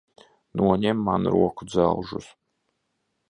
Noņem man rokudzelžus!